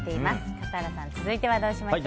笠原さん続いてはどうしましょうか。